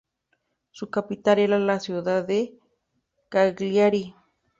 Su capital era la ciudad de Cagliari.